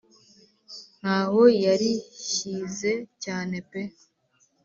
ntaho yarishyize cyane pe